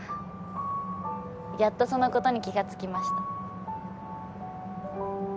やっとそのことに気が付きました。